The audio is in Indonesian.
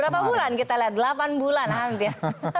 berapa bulan kita lihat delapan bulan hampir